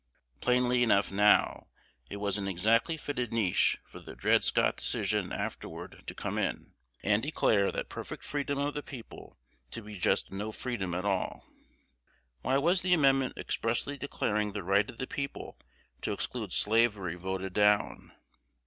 Plainly enough now, it was an exactly fitted niche for the Dred Scott Decision afterward to come in, and declare that perfect freedom of the people to be just no freedom at all. Why was the amendment expressly declaring the right of the people to exclude slavery voted down?